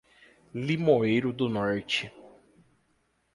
Limoeiro do Norte